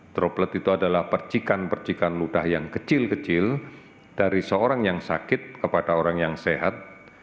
droplet itu adalah percikan percikan ludah yang kecil kecil dari seorang yang sakit kepada orang yang sehat